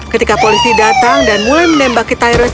ketika polisi datang dan mulai menembaki tyrus